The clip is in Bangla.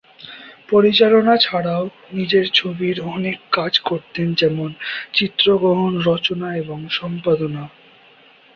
পরিচালনা ছাড়াও নিজের ছবির অনেক কাজ করতেন, যেমন: চিত্রগ্রহণ, রচনা এবং সম্পাদনা।